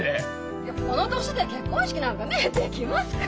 いやこの年で結婚式なんかねできますか！